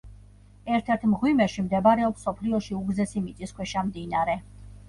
ერთ-ერთ მღვიმეში მდებარეობს მსოფლიოში უგრძესი მიწისქვეშა მდინარე.